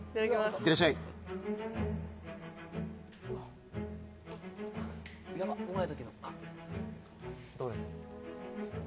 ・いってらっしゃいやばっうまい時のどうです？